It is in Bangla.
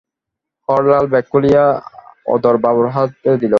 হরলাল ব্যাগ খুলিয়া অধরবাবুর হাতে দিল।